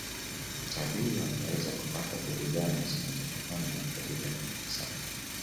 Watalii wanaweza kupata burudani zinazotokana na kabila la maasai